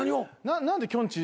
何できょんちぃ